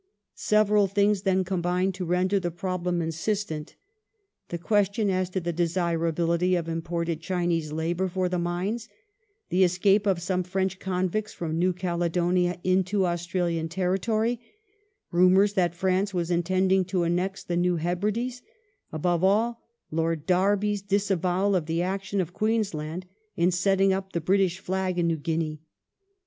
^ Several things then combined to render the problem insistent : the question as to the desirability of imported Chinese labour for the mines ; the escape of some French convicts from New Caledonia into Australian territory ; i umours that France was intending to annex the New Hebrides ; above all, Lord Derby's disavowal of the action of Queensland in setting up the British flag in New Guinea.